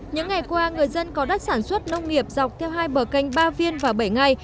những ngày qua người dân có đất sản xuất nông nghiệp dọc theo hai bờ canh ba viên và bảy ngay